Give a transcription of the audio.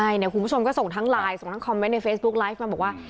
ใช่เนี่ยคุณผู้ชมก็ส่งทั้งไลน์ส่งทั้งคอมเมนต์ในเฟซบุ๊กไลฟ์มาบอกว่า